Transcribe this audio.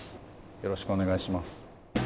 よろしくお願いします